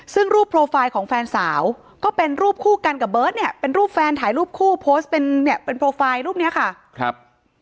ซึ่งรูปโปรไฟล์ของแฟนสาวก็เป็นรูปคู่กันกับเบิร์ตเนี่ยเป็นรูปแฟนถ่ายรูปคู่โพสต์เป็นเนี่ยเป็นโปรไฟล์รูปเนี้ยค่ะครับ